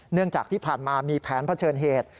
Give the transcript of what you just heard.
เนื่องจากที่ผ่านมามีแผนเผชิญเหตุ